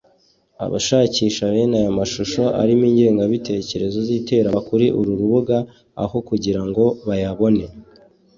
Abashakisha bene aya mashusho arimo ingengabitekerezo z’iterabwoba kuri uru rubuga aho kugira ngo bayabone